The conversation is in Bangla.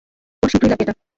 ওর শীঘ্রই লাগবে এটা।